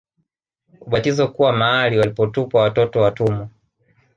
Ubatizo kuwa mahali walipotupwa watoto watumwa